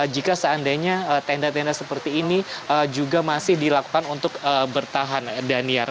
jika seandainya tenda tenda seperti ini juga masih dilakukan untuk bertahan daniar